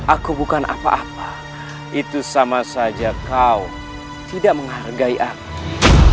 aku bukan apa apa itu sama saja kau tidak menghargai aku